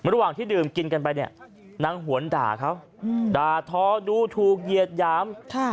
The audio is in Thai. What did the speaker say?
ระหว่างที่ดื่มกินกันไปเนี่ยนางหวนด่าเขาด่าทอดูถูกเหยียดหยาม